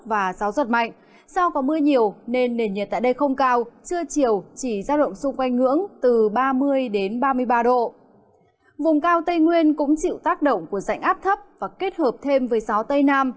vùng cao tây nguyên cũng chịu tác động của dạnh áp thấp và kết hợp thêm với gió tây nam